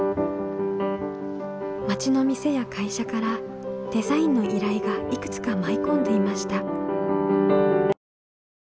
町の店や会社からデザインの依頼がいくつか舞い込んでいました。